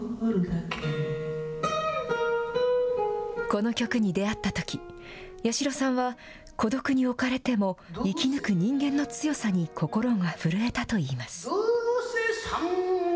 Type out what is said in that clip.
この曲に出会ったとき、八代さんは、孤独に置かれても生き抜く人間の強さに心が震えたといいます。